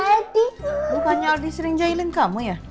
iya bukannya adi sering jahilin kamu ya